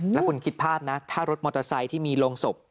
แล้วคุณคิดภาพนะถ้ารถมอเตอร์ไซค์ที่มีโรงศพ